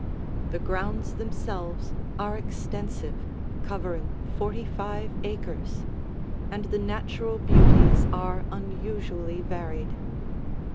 The grounds themselves are extensive, covering forty five acres, and the natural beauties are unusually varied.